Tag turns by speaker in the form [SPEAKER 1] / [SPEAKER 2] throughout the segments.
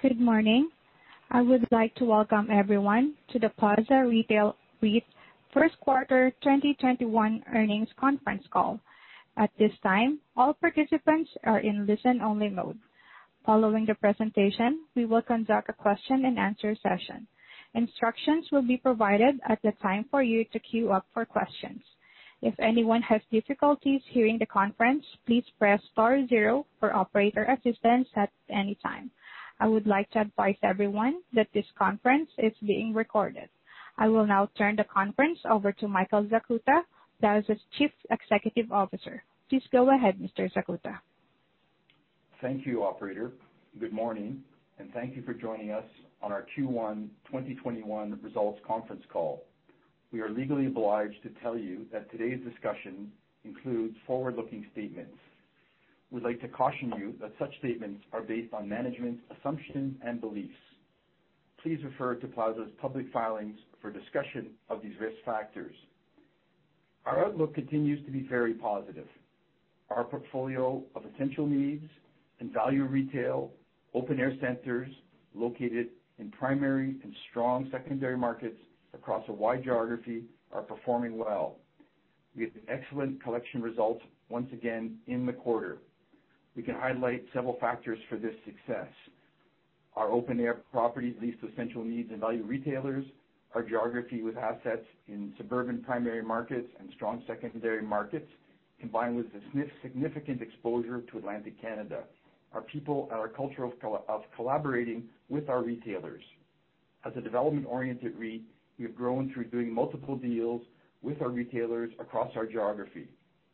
[SPEAKER 1] Good morning. I would like to welcome everyone to the Plaza Retail REIT first quarter 2021 earnings conference call. At this time, all participants are in listen-only mode. Following the presentation, we will conduct a question-and-answer session. Instructions will be provided at the time for you to queue up for questions. If anyone has difficulties hearing the conference, please press star zero for operator assistance at any time. I would like to advise everyone that this conference is being recorded. I will now turn the conference over to Michael Zakuta, Plaza's Chief Executive Officer. Please go ahead, Mr. Zakuta.
[SPEAKER 2] Thank you, operator. Good morning, and thank you for joining us on our Q1 2021 results conference call. We are legally obliged to tell you that today's discussion includes forward-looking statements. We'd like to caution you that such statements are based on management's assumptions and beliefs. Please refer to Plaza's public filings for discussion of these risk factors. Our outlook continues to be very positive. Our portfolio of essential needs and value retail, open-air centers located in primary and strong secondary markets across a wide geography are performing well. We had excellent collection results once again in the quarter. We can highlight several factors for this success. Our open-air properties leased to essential needs and value retailers, our geography with assets in suburban primary markets and strong secondary markets, combined with a significant exposure to Atlantic Canada, our people, and our culture of collaborating with our retailers. As a development-oriented REIT, we have grown through doing multiple deals with our retailers across our geography.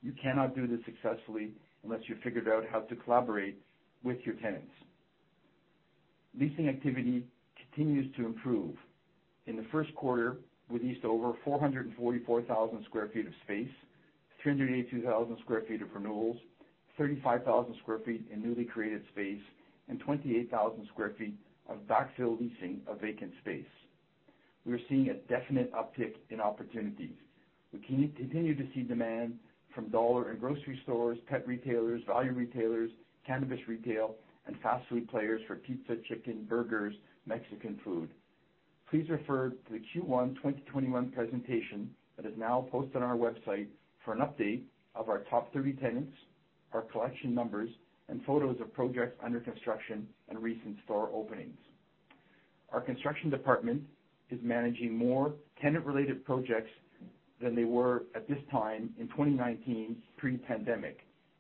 [SPEAKER 2] You cannot do this successfully unless you've figured out how to collaborate with your tenants. Leasing activity continues to improve. In the first quarter, we leased over 444,000 sq ft of space, 382,000 sq ft of renewals, 35,000 sq ft in newly created space, and 28,000 sq ft of backfill leasing of vacant space. We are seeing a definite uptick in opportunities. We continue to see demand from dollar and grocery stores, pet retailers, value retailers, cannabis retail, and fast food players for pizza, chicken, burgers, Mexican food. Please refer to the Q1 2021 presentation that is now posted on our website for an update of our top 30 tenants, our collection numbers, and photos of projects under construction, and recent store openings. Our construction department is managing more tenant-related projects than they were at this time in 2019 pre-pandemic,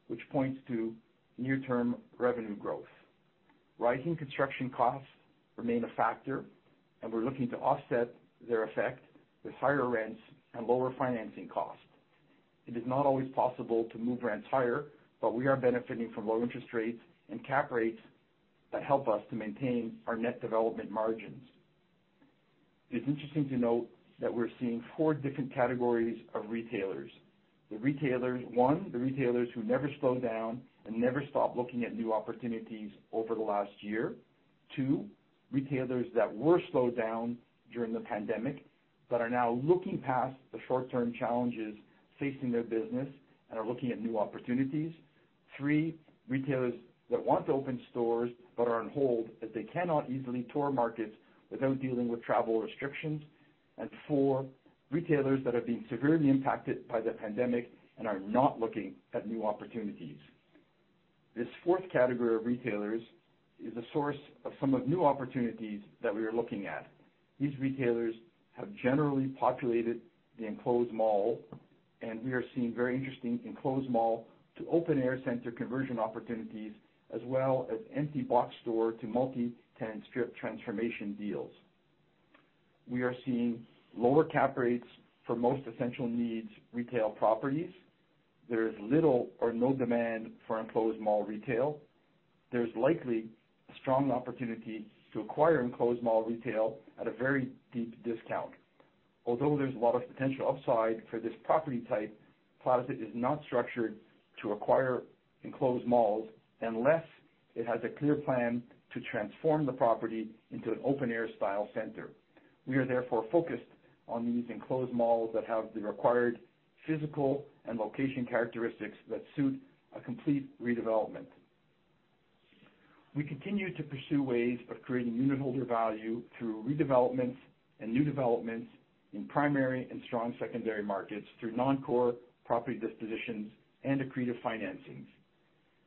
[SPEAKER 2] which points to near-term revenue growth. Rising construction costs remain a factor, and we're looking to offset their effect with higher rents and lower financing costs. It is not always possible to move rents higher, but we are benefiting from low interest rates and cap rates that help us to maintain our net development margins. It's interesting to note that we're seeing four different categories of retailers. One, the retailers who never slowed down and never stopped looking at new opportunities over the last year. Two, retailers that were slowed down during the pandemic but are now looking past the short-term challenges facing their business and are looking at new opportunities. Three, retailers that want to open stores but are on hold as they cannot easily tour markets without dealing with travel restrictions. Four, retailers that have been severely impacted by the pandemic and are not looking at new opportunities. This fourth category of retailers is a source of some of new opportunities that we are looking at. These retailers have generally populated the enclosed mall, and we are seeing very interesting enclosed mall to open-air center conversion opportunities as well as empty box store to multi-tenant strip transformation deals. We are seeing lower cap rates for most essential needs retail properties. There is little or no demand for enclosed mall retail. There's likely a strong opportunity to acquire enclosed mall retail at a very deep discount. Although there's a lot of potential upside for this property type, Plaza is not structured to acquire enclosed malls unless it has a clear plan to transform the property into an open-air style center. We are therefore focused on these enclosed malls that have the required physical and location characteristics that suit a complete redevelopment. We continue to pursue ways of creating unitholder value through redevelopments and new developments in primary and strong secondary markets through non-core property dispositions and accretive financings.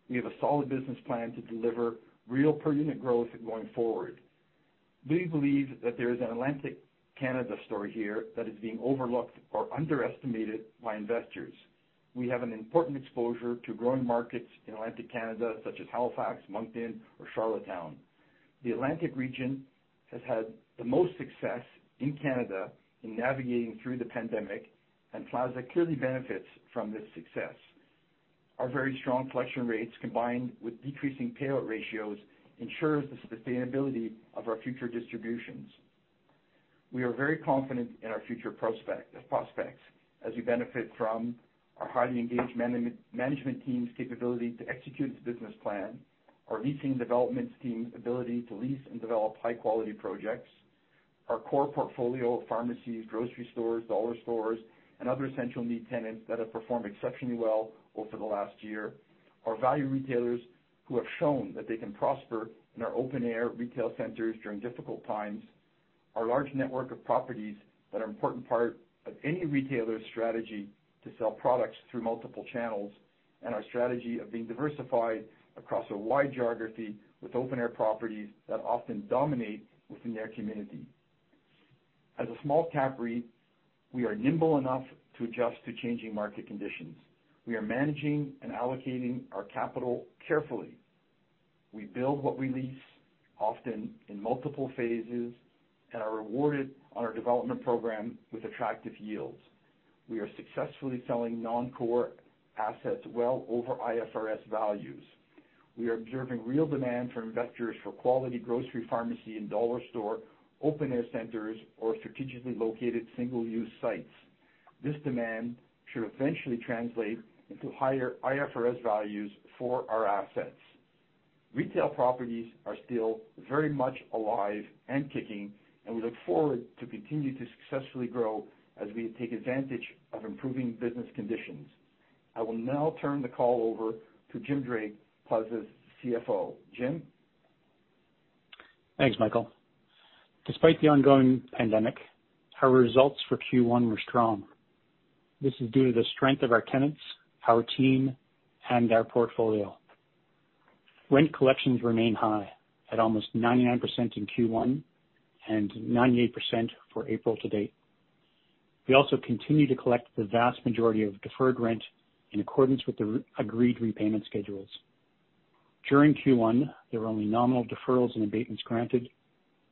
[SPEAKER 2] We have a solid business plan to deliver real per unit growth going forward. We believe that there is an Atlantic Canada story here that is being overlooked or underestimated by investors. We have an important exposure to growing markets in Atlantic Canada such as Halifax, Moncton, or Charlottetown. The Atlantic region has had the most success in Canada in navigating through the pandemic, and Plaza clearly benefits from this success. Our very strong collection rates, combined with decreasing payout ratios, ensures the sustainability of our future distributions. We are very confident in our future prospects as we benefit from our highly engaged management team's capability to execute the business plan, our leasing development team's ability to lease and develop high-quality projects. Our core portfolio of pharmacies, grocery stores, dollar stores, and other essential need tenants that have performed exceptionally well over the last year. Our value retailers who have shown that they can prosper in our open air retail centers during difficult times. Our large network of properties that are important part of any retailer's strategy to sell products through multiple channels. Our strategy of being diversified across a wide geography with open air properties that often dominate within their community. As a small cap REIT, we are nimble enough to adjust to changing market conditions. We are managing and allocating our capital carefully. We build what we lease, often in multiple phases, and are rewarded on our development program with attractive yields. We are successfully selling non-core assets well over IFRS values. We are observing real demand from investors for quality grocery, pharmacy, and dollar store open air centers or strategically located single use sites. This demand should eventually translate into higher IFRS values for our assets. Retail properties are still very much alive and kicking, and we look forward to continue to successfully grow as we take advantage of improving business conditions. I will now turn the call over to Jim Drake, Plaza's CFO. Jim?
[SPEAKER 3] Thanks, Michael. Despite the ongoing pandemic, our results for Q1 were strong. This is due to the strength of our tenants, our team, and our portfolio. Rent collections remain high at almost 99% in Q1 and 98% for April to date. We also continue to collect the vast majority of deferred rent in accordance with the agreed repayment schedules. During Q1, there were only nominal deferrals and abatements granted,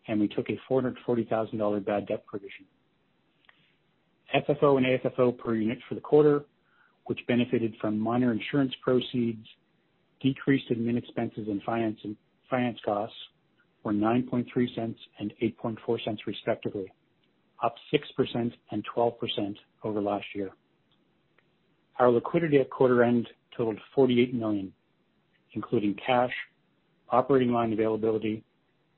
[SPEAKER 3] and we took a 440,000 dollar bad debt provision. FFO and AFFO per unit for the quarter, which benefited from minor insurance proceeds, decreased admin expenses and finance costs were 0.093 and 0.0840 respectively, up 6% and 12% over last year. Our liquidity at quarter end totaled 48 million, including cash, operating line availability,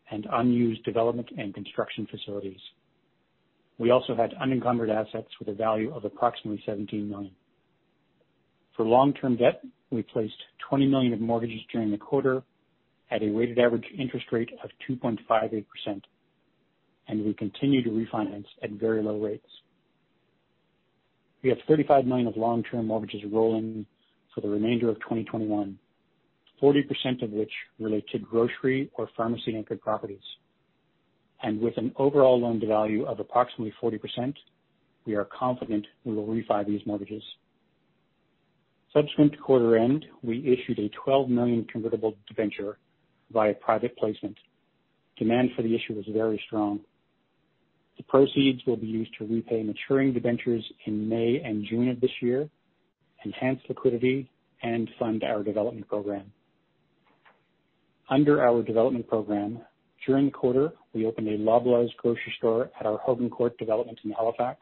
[SPEAKER 3] and unused development and construction facilities. We also had unencumbered assets with a value of approximately CAD 17 million. For long-term debt, we placed CAD 20 million of mortgages during the quarter at a weighted average interest rate of 2.58%. We continue to refinance at very low rates. We have 35 million of long-term mortgages rolling for the remainder of 2021, 40% of which relate to grocery or pharmacy anchored properties. With an overall loan to value of approximately 40%, we are confident we will refi these mortgages. Subsequent to quarter end, we issued a 12 million convertible debenture via private placement. Demand for the issue was very strong. The proceeds will be used to repay maturing debentures in May and June of this year, enhance liquidity, and fund our development program. Under our development program, during the quarter, we opened a Loblaws grocery store at our Hogan Court development in Halifax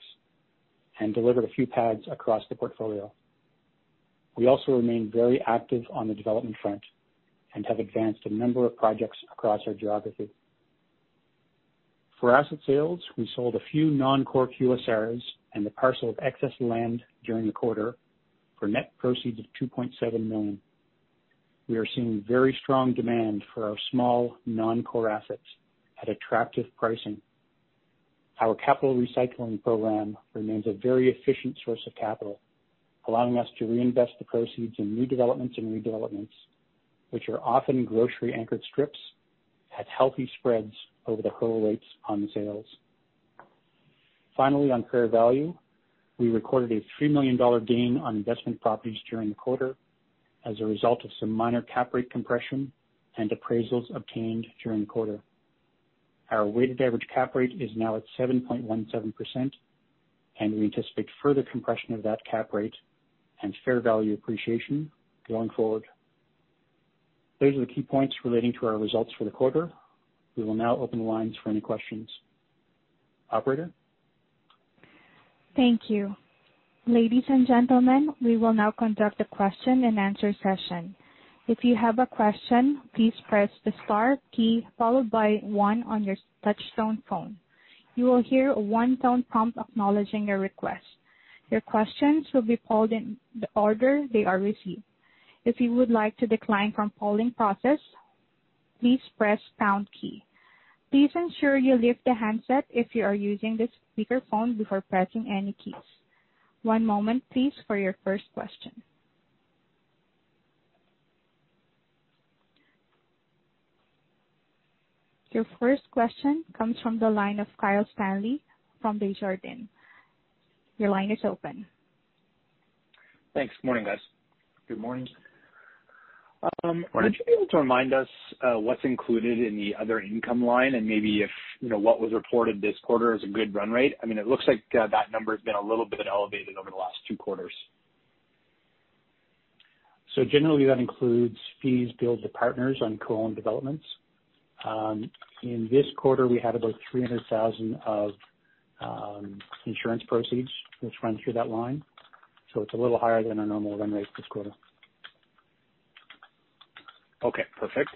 [SPEAKER 3] and delivered a few pads across the portfolio. We also remain very active on the development front and have advanced a number of projects across our geography. For asset sales, we sold a few non-core QSRs and the parcel of excess land during the quarter for net proceeds of 2.7 million. We are seeing very strong demand for our small non-core assets at attractive pricing. Our capital recycling program remains a very efficient source of capital, allowing us to reinvest the proceeds in new developments and redevelopments, which are often grocery anchored strips at healthy spreads over the whole rates on the sales. Finally, on fair value, we recorded a 3 million dollar gain on investment properties during the quarter as a result of some minor cap rate compression and appraisals obtained during the quarter. Our weighted average cap rate is now at 7.17%, and we anticipate further compression of that cap rate and fair value appreciation going forward. Those are the key points relating to our results for the quarter. We will now open the lines for any questions. Operator?
[SPEAKER 1] Thank you. Ladies and gentlemen, we will now conduct a question-and-answer session. If you have a question, please press the star key followed by one on your touchtone phone. You will hear a one-tone prompt acknowledging your request. Your questions will be called in the order they are received. If you would like to decline from calling process, please press pound key. Please ensure you lift the handset if you are using the speakerphone before pressing any keys. One moment please for your first question. Your first question comes from the line of Kyle Stanley from Desjardins. Your line is open.
[SPEAKER 4] Thanks. Morning, guys.
[SPEAKER 3] Good morning.
[SPEAKER 4] Would you be able to remind us what's included in the other income line and maybe if what was reported this quarter is a good run rate? It looks like that number has been a little bit elevated over the last two quarters.
[SPEAKER 3] Generally that includes fees billed to partners on co-owned developments. In this quarter, we had about 300,000 of insurance proceeds, which run through that line. It's a little higher than our normal run rate this quarter.
[SPEAKER 4] Okay, perfect.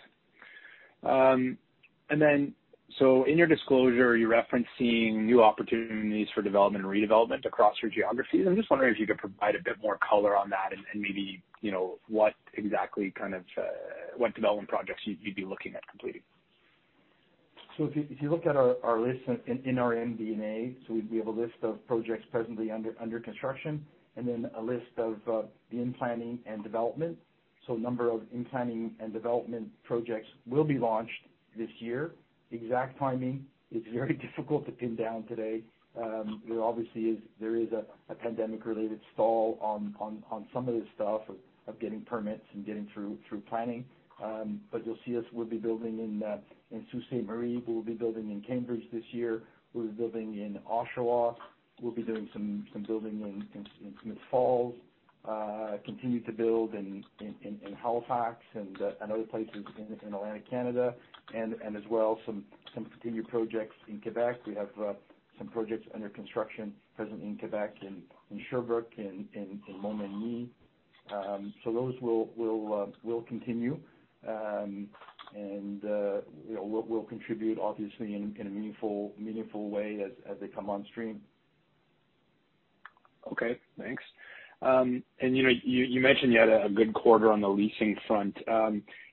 [SPEAKER 4] In your disclosure, you're referencing new opportunities for development and redevelopment across your geographies. I'm just wondering if you could provide a bit more color on that and maybe what exactly kind of development projects you'd be looking at completing.
[SPEAKER 2] If you look at our list in our MD&A, we have a list of projects presently under construction, and then a list of the in-planning and development. A number of in-planning and development projects will be launched this year. Exact timing is very difficult to pin down today. There obviously is a pandemic-related stall on some of this stuff of getting permits and getting through planning. You'll see us, we'll be building in Sault Ste. Marie. We'll be building in Cambridge this year. We'll be building in Oshawa. We'll be doing some building in Smiths Falls. Continue to build in Halifax and other places in Atlantic Canada, and as well, some continued projects in Quebec. We have some projects under construction present in Quebec, in Sherbrooke, in Montmagny. Those will continue. Will contribute obviously in a meaningful way as they come on stream.
[SPEAKER 4] Okay, thanks. You mentioned you had a good quarter on the leasing front.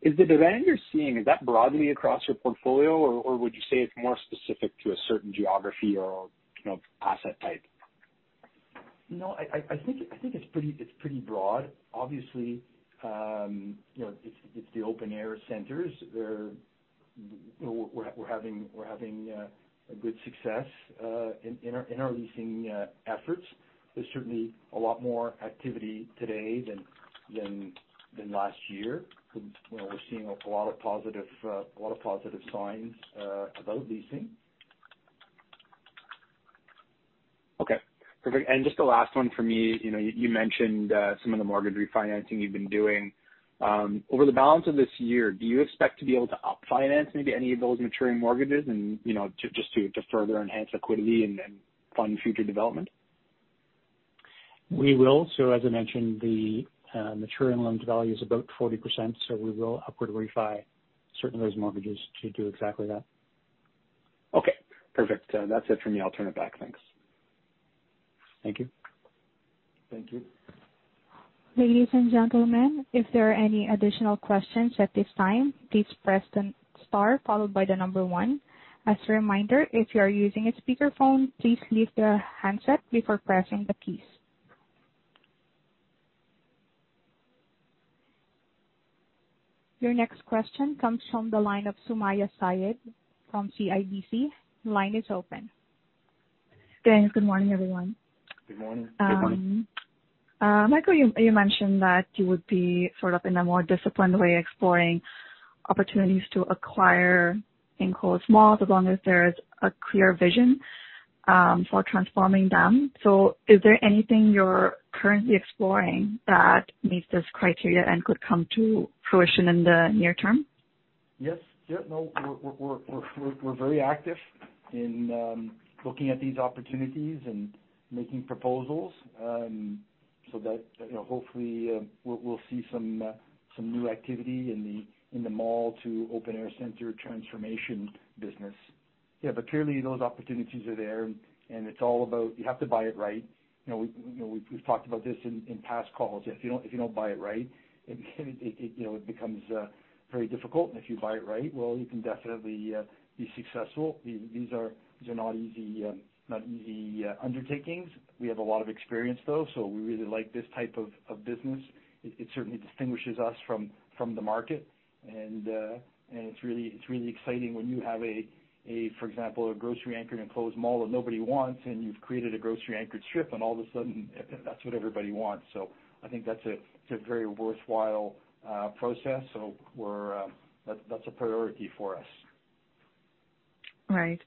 [SPEAKER 4] Is the demand you're seeing, is that broadly across your portfolio, or would you say it's more specific to a certain geography or asset type?
[SPEAKER 2] No, I think it's pretty broad. Obviously, it's the open-air centers. We're having a good success in our leasing efforts. There's certainly a lot more activity today than last year. We're seeing a lot of positive signs about leasing.
[SPEAKER 4] Okay, perfect. Just the last one for me. You mentioned some of the mortgage refinancing you've been doing. Over the balance of this year, do you expect to be able to up finance maybe any of those maturing mortgages and just to further enhance liquidity and fund future development?
[SPEAKER 3] We will. As I mentioned, the maturing loan to value is about 40%, so we will upward refi certain of those mortgages to do exactly that.
[SPEAKER 4] Okay, perfect. That's it from me. I'll turn it back. Thanks.
[SPEAKER 3] Thank you.
[SPEAKER 2] Thank you.
[SPEAKER 1] Ladies and gentlemen, if there are any additional questions at this time, please press the star followed by the number one. As a reminder, if you are using a speakerphone, please mute the handset before pressing the keys. Your next question comes from the line of Sumayya Syed from CIBC. The line is open.
[SPEAKER 5] Thanks. Good morning, everyone.
[SPEAKER 2] Good morning.
[SPEAKER 3] Good morning.
[SPEAKER 5] Michael, you mentioned that you would be sort of in a more disciplined way, exploring opportunities to acquire enclosed malls as long as there is a clear vision for transforming them. Is there anything you're currently exploring that meets this criteria and could come to fruition in the near term?
[SPEAKER 2] Yes. No, we're very active in looking at these opportunities and making proposals. Hopefully, we'll see some new activity in the mall to open-air center transformation business. Yeah, clearly those opportunities are there, and it's all about you have to buy it right. We've talked about this in past calls. If you don't buy it right, it becomes very difficult. If you buy it right, well, you can definitely be successful. These are not easy undertakings. We have a lot of experience, though, we really like this type of business. It certainly distinguishes us from the market, it's really exciting when you have a, for example, a grocery-anchored enclosed mall that nobody wants, and you've created a grocery-anchored strip, and all of a sudden, that's what everybody wants. I think that's a very worthwhile process. That's a priority for us.
[SPEAKER 5] Right.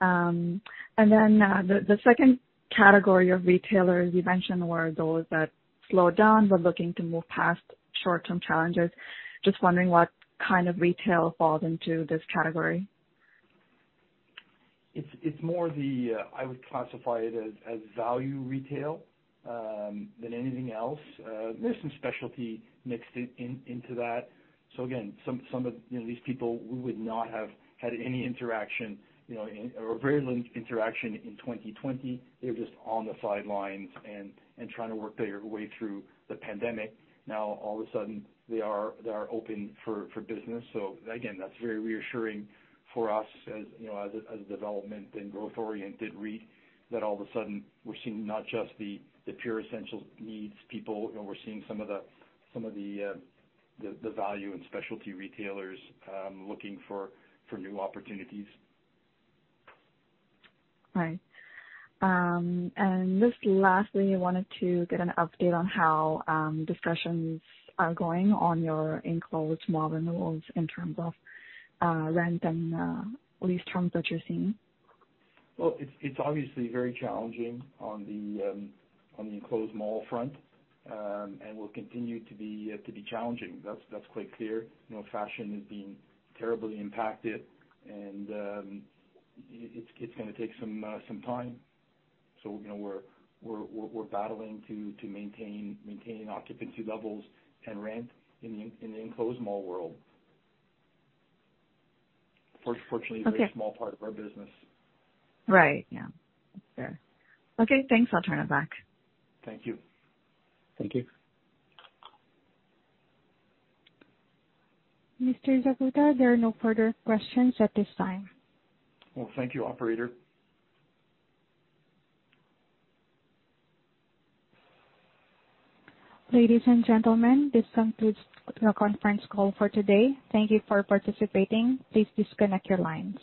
[SPEAKER 5] The second category of retailers you mentioned were those that slowed down but looking to move past short-term challenges. Just wondering what kind of retail falls into this category?
[SPEAKER 2] It's more the, I would classify it as value retail than anything else. There's some specialty mixed into that. Again, some of these people we would not have had any interaction or very limited interaction in 2020. They were just on the sidelines and trying to work their way through the pandemic. Now, all of a sudden, they are open for business. Again, that's very reassuring for us as a development and growth-oriented REIT, that all of a sudden we're seeing not just the pure essential needs people. We're seeing some of the value and specialty retailers looking for new opportunities.
[SPEAKER 5] Right. Just lastly, I wanted to get an update on how discussions are going on your enclosed mall renewals in terms of rent and lease terms that you're seeing.
[SPEAKER 2] Well, it's obviously very challenging on the enclosed mall front, and will continue to be challenging. That's quite clear. Fashion is being terribly impacted, and it's going to take some time. We're battling to maintaining occupancy levels and rent in the enclosed mall world.
[SPEAKER 5] Okay
[SPEAKER 2] a very small part of our business.
[SPEAKER 5] Right. Yeah. Fair. Okay, thanks. I'll turn it back.
[SPEAKER 2] Thank you.
[SPEAKER 3] Thank you.
[SPEAKER 1] Mr. Zakuta, there are no further questions at this time.
[SPEAKER 2] Well, thank you, operator.
[SPEAKER 1] Ladies and gentlemen, this concludes the conference call for today. Thank you for participating. Please disconnect your lines.